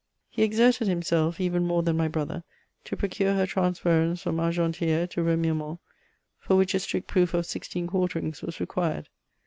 He exerted himself, even more than my hrother, to procure her transference from Argenti^re to Remiremont, for which a strict proof of sixteen quarterings was required.